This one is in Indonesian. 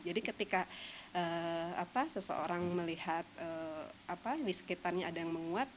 jadi ketika seseorang melihat di sekitarnya ada yang menguap